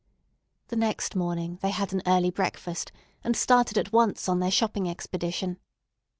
The next morning they had an early breakfast, and started at once on their shopping expedition.